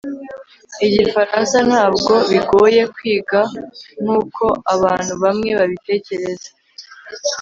igifaransa ntabwo bigoye kwiga nkuko abantu bamwe babitekereza